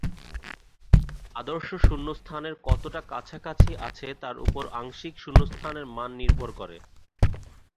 আদর্শ শূন্যস্থানের কতটা কাছাকাছি আছে তার উপর আংশিক শূন্যস্থানের মান নির্ভর করে।